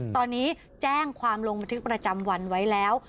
ตอนนี้แจ้งความลงบันทึกประจำวันไว้แล้ว